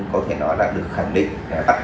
có thể nó là được khẳng định